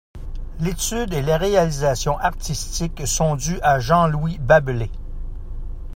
L'étude et la réalisation artistique sont dues à Jean-Louis Babelay.